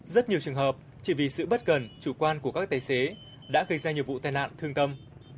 rất nhiều trường hợp chỉ vì sự bất cần chủ quan của các tài xế đã gây ra nhiều vụ tai nạn thương tâm